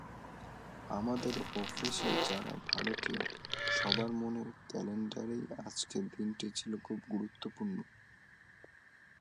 আমাদের অফিসের যারা ভারতীয়, সবার মনের ক্যালেন্ডারেই আজকের দিনটা ছিল খুব গুরুত্বপূর্ণ।